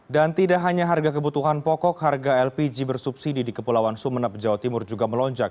dan tidak hanya harga kebutuhan pokok harga lpg bersubsidi di kepulauan sumeneb jawa timur juga melonjak